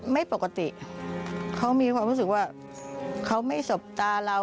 ไม่ปกติเขามีความรู้สึกว่าเขาไม่สบตาเรา